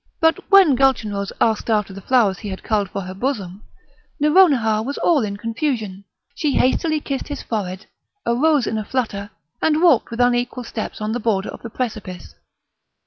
But when Gulchenrouz asked after the flowers he had culled for her bosom, Nouronihar was all in confusion; she hastily kissed his forehead, arose in a flutter, and walked with unequal steps on the border of the precipice.